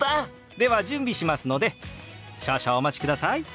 では準備しますので少々お待ちください。